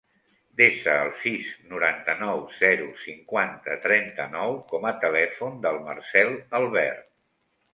Desa el sis, noranta-nou, zero, cinquanta, trenta-nou com a telèfon del Marcèl Albert.